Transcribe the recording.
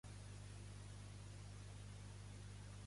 La seva capital es Iqaluit.